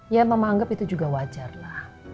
ya mama anggap itu juga wajar lah